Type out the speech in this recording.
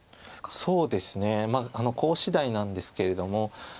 そうですねコウしだいなんですけれども。